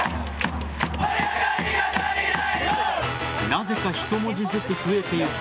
なぜか１文字ずつ増えていく